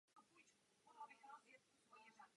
Chtěli jsme zlepšení obchodu v oblasti ekologického zboží.